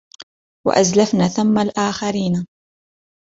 وَأَزْلَفْنَا ثَمَّ الْآخَرِينَ